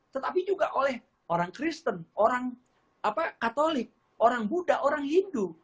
tetapi juga oleh orang kristen orang katolik orang buddha orang hindu